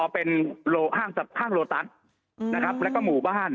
เป็นห้างโลตัสนะครับแล้วก็หมู่บ้าน